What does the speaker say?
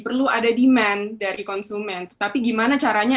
perlu ada demand dari konsumen